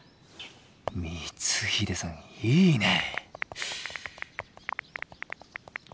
光秀さんいいねえ。